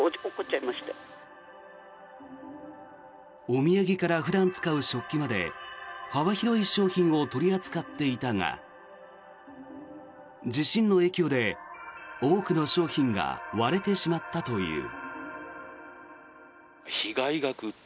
お土産から普段使う食器まで幅広い商品を取り扱っていたが地震の影響で多くの商品が割れてしまったという。